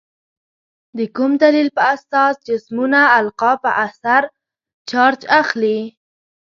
د کوم دلیل په اساس جسمونه القا په اثر چارج اخلي؟